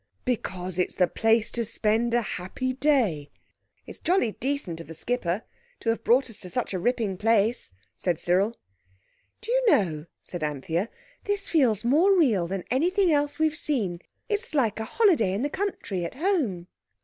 "Because it's the place to spend a happy day." "It's jolly decent of the skipper to have brought us to such a ripping place," said Cyril. "Do you know," said Anthea, "this feels more real than anything else we've seen? It's like a holiday in the country at home."